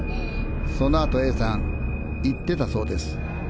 そのあとＡさん言ってたそうです。